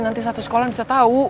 nanti satu sekolah bisa tahu